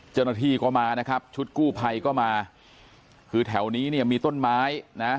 เจ้าหน้าที่ก็มานะครับชุดกู้ภัยก็มาคือแถวนี้เนี่ยมีต้นไม้นะ